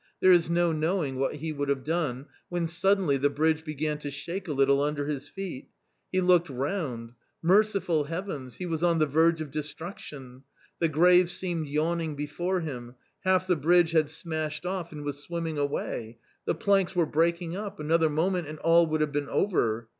There is no knowing what he would have done, when suddenly the bridge began to shake a little under his feet ; he looked round ; merciful Heavens ! he was on the verge of destruction; the grave seemed yawning before him ; half the bridge had smashed off and was swimming away .... the planks were breaking up — another moment and all would have been over